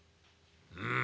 うん。